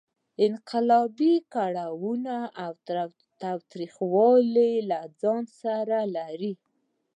انقلاب کړاوونه او تاوتریخوالی له ځان سره لرلې.